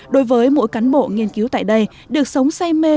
đối với mỗi cán bộ nghiên cứu tại đây được sống say mê